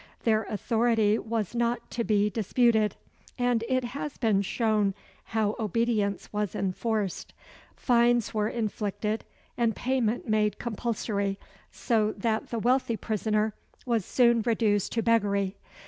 Their authority was not to be disputed; and it has been shown how obedience was enforced. Fines were inflicted and payment made compulsory, so that the wealthy prisoner was soon reduced to beggary.